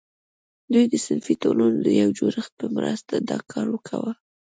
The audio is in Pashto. دوی د صنفي ټولنو د یو جوړښت په مرسته دا کار کاوه.